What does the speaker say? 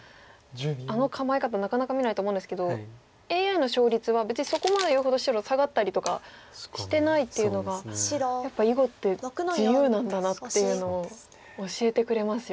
あの構え方なかなか見ないと思うんですけどＡＩの勝率は別にそこまで言うほど白下がったりとかしてないっていうのがやっぱり囲碁って自由なんだなっていうのを教えてくれますよね。